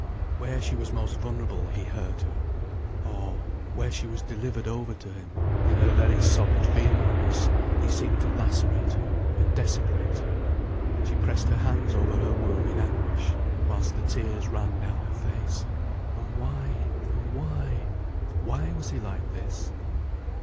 Where she was most vulnerable, he hurt her. Oh, where she was delivered over to him, in her very soft femaleness, he seemed to lacerate her and desecrate her. She pressed her hands over her womb in anguish, whilst the tears ran down her face. And why, and why? Why was he like this?